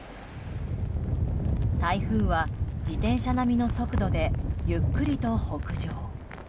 台風は自転車並みの速度でゆっくりと北上。